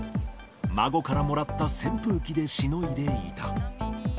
孫からもらった扇風機でしのいでいた。